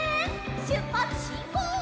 しゅっぱつしんこう！